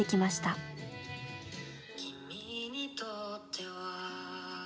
「君にとっては」